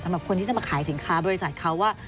สำหรับคนที่จะมาขายสินค้าบริษัทเขาว่า